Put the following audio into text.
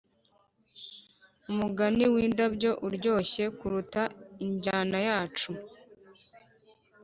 umugani windabyo uryoshye kuruta injyana yacu: